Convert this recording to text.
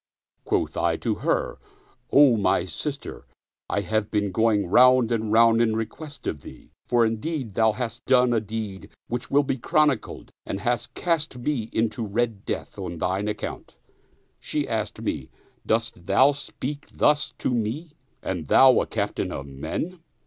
Quoth I to her, " O my sister, I have been going round and round in request of thee, for indeed thou hast done a deed which will be chronicled and hast cast me into red death on thine account." She asked me, " Dost thou speak thus to me and thou a captain of men